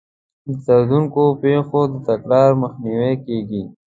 د دردونکو پېښو د تکرار مخنیوی کیږي.